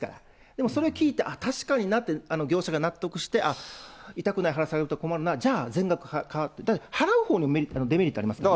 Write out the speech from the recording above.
でもそれ聞いて、あっ、確かになって、業者が納得して、あっ、痛くない話されると困るな、じゃあ全額払おう、払うほうのデメリットありますよね。